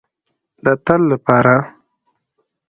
د تل لپاره.